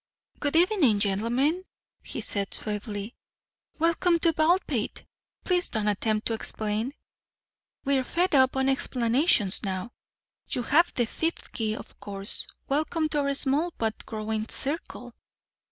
"Good evening, gentlemen," he said suavely. "Welcome to Baldpate! Please don't attempt to explain we're fed up on explanations now. You have the fifth key, of course. Welcome to our small but growing circle."